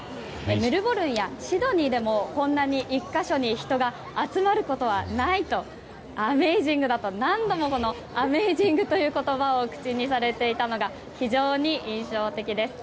メルボルンやシドニーでもこんなに１か所に人は集まることはないとアメイジングだと、何度もこのアメイジングという言葉を口にされていたのが非常に印象的です。